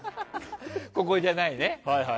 ここじゃないね。